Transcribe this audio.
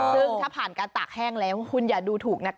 ซึ่งถ้าผ่านการตากแห้งแล้วคุณอย่าดูถูกนะคะ